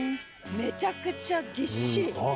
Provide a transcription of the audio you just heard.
めちゃくちゃぎっしり！